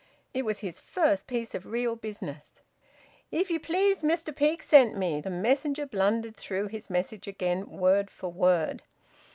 It was his first piece of real business. "If you please, Mester Peake sent me." The messenger blundered through his message again word for word.